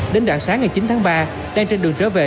đến rạng sáng ngày chín tháng ba đang trên đường trở về